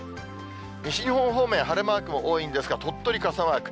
西日本方面、晴れマークも多いんですが、鳥取、傘マーク。